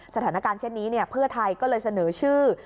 สถานการณ์เช่นนี้เพื่อไทยก็เลยเสนอชื่อ